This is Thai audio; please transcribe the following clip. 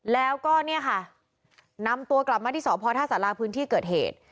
แล้วก็เนี่ยค่ะนำตัวกลับมาที่สพท่าสาราพื้นที่เกิดเหตุ